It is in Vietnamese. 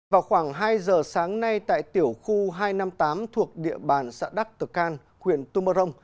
vào khoảng hai giờ sáng nay tại tiểu khu hai trăm năm mươi tám thuộc địa bàn xã đắc tờ can huyện tumorong